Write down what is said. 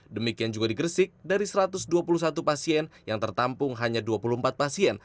demikian juga di gresik dari satu ratus dua puluh satu pasien yang tertampung hanya dua puluh empat pasien